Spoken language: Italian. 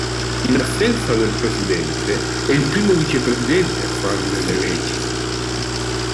In assenza del Presidente, è il primo vicepresidente a farne le veci.